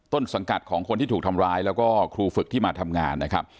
ต้นสังกัดของคนที่ถูกทำร้ายแล้วก็ครูฝึกที่มาทำงานนะครับ